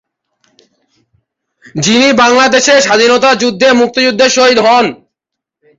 যিনি বাংলাদেশের স্বাধীনতা যুদ্ধে মুক্তিযুদ্ধে শহীদ হন।